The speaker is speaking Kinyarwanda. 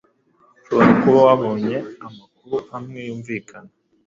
uhobora kuba wabonye amakuru amwe yumvikana